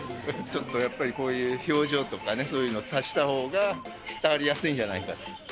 ちょっとやっぱり、こういう表情とかね、そういうのを足したほうが、伝わりやすいんじゃないかって。